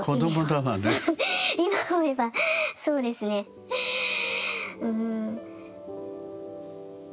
今思えばそうですねうん。